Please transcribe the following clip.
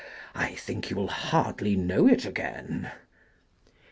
I think you will hardly know it again.